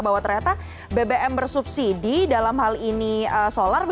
bahwa ternyata bbm bersubsidi dalam hal ini solar